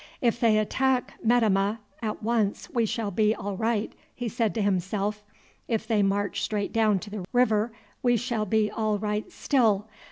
"If they attack Metemmeh at once we shall be all right," he said to himself. "If they march straight down to the river we shall be all right still.